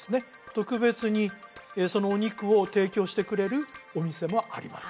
特別にそのお肉を提供してくれるお店もあります